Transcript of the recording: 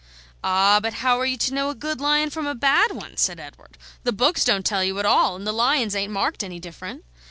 "Ah, but how are you to know a good lion from a bad one?" said Edward. "The books don't tell you at all, and the lions ain't marked any different."